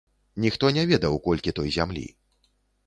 Ніхто не ведаў, колькі той зямлі.